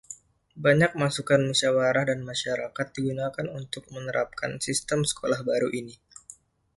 Banyak masukan musyawarah dan masyarakat digunakan untuk menerapkan sistem sekolah baru ini.